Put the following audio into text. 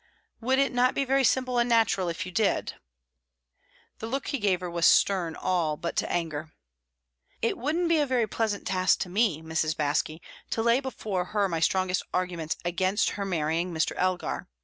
"Would it not be very simple and natural if you did?" The look he gave her was stern all but to anger. "It wouldn't be a very pleasant task to me, Mrs. Baske, to lay before her my strongest arguments against her marrying Mr. Elgar.